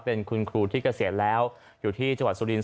เป็นคุณครูที่เกษียณแล้วอยู่ที่จังหวัดสุรินท